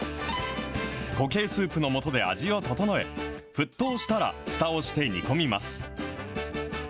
固形スープのもとで味を調え、沸騰したら、ふたをして煮込みます。